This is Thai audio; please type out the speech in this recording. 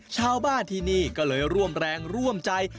ชาวบ้านที่นี่ก็เลยร่วมแรงร่วมใจ